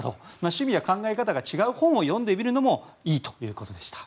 趣味や考え方を違う本を読んでみるのもいいということでした。